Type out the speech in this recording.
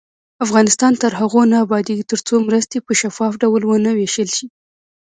افغانستان تر هغو نه ابادیږي، ترڅو مرستې په شفاف ډول ونه ویشل شي.